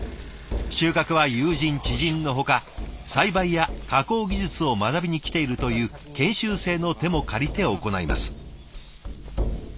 収穫は友人知人のほか栽培や加工技術を学びに来ているという研修生の手も借りて行います。